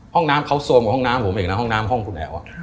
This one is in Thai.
ห้องน้ำเขาโซมกับห้องน้ำผมเองนะห้องน้ำห้องคุณแอ๋ว